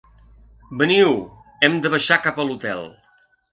Veniu, hem de baixar cap a l'Hotel